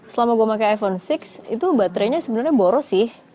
selama gue pakai iphone enam itu baterainya sebenarnya boros sih